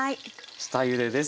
下ゆでです。